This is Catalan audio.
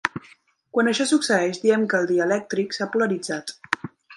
Quan això succeïx diem que el dielèctric s'ha polaritzat.